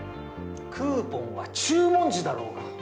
クーポンは注文時だろうが。